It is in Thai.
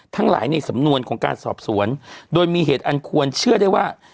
ทั้งหลายในสำนวนของการสอบสวนโดยมีเหตุอันควรเชื่อได้ว่า